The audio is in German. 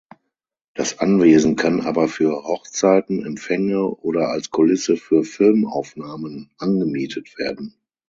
Das Anwesen kann aber für Hochzeiten, Empfänge oder als Kulisse für Filmaufnahmen angemietet werden.